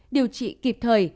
điều trị kịp thời